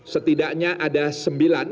setidaknya ada sembilan